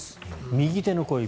右手の小指。